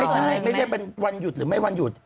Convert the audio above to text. ไม่ใช่ไม่ใช่เป็นวันหยุดหรือไม่วันหยุด